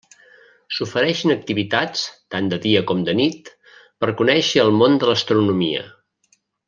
S'ofereixen activitats, tant de dia com de nit, per conèixer el món de l'astronomia.